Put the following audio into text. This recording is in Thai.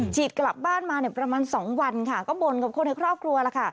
กลับบ้านมาเนี่ยประมาณ๒วันค่ะก็บ่นกับคนในครอบครัวล่ะค่ะ